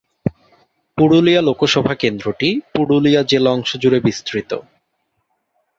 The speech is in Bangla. পুরুলিয়া লোকসভা কেন্দ্রটি পুরুলিয়া জেলা অংশ জুড়ে বিস্তৃত।